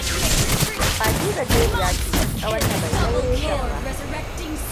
Patty gajeriya ce tsawonta bai kai reshen ba.